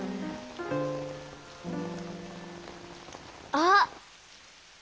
あっ。